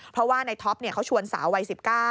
เพราะว่าในท็อปเขาชวนสาววัย๑๙